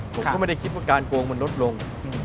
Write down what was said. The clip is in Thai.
ผมก็ไม่ได้คิดว่าการโกงมันลดลง